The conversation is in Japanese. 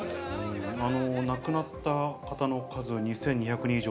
亡くなった方の数が２２００人以上。